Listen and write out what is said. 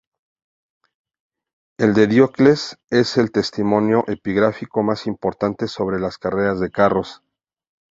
El de Diocles es el testimonio epigráfico más importante sobre las carreras de carros.